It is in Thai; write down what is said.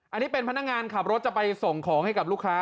อันนี้เป็นพนักงานขับรถจะไปส่งของให้กับลูกค้า